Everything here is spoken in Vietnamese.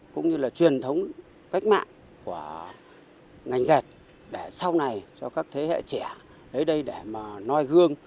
cũng như là truyền thống cách mạng của ngành dệt để sau này cho các thế hệ trẻ đến đây để mà noi gương